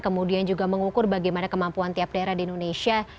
kemudian juga mengukur bagaimana kemampuan tiap daerah di indonesia